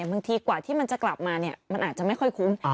บางทีกว่าที่มันจะกลับมามันอาจจะไม่ค่อยคุ้ม